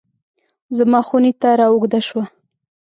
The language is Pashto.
زما خونې ته رااوږده شوه